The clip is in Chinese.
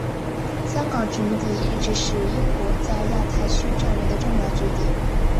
香港殖民地一直是英国在亚太区战略的重要据点。